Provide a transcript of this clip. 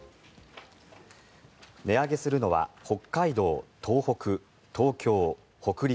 値上げするのは北海道、東北、東京、北陸